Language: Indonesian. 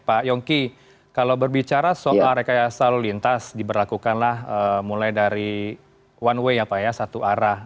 pak yongki kalau berbicara soal rekayasa lalu lintas diberlakukanlah mulai dari one way ya pak ya satu arah